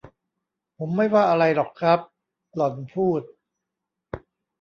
ผมไม่ว่าอะไรหรอกครับ หล่อนพูด